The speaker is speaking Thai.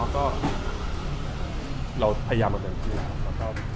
ก็เราพยายามเหมือนกัน